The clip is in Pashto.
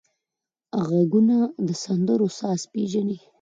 غوږونه د سندرو ساز پېژني